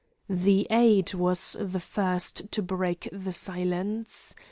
The aide was the first to break the silence.